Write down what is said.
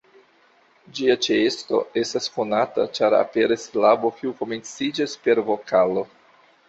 Ĝia ĉeesto estas konata ĉar aperas silabo kiu komenciĝas per vokalo.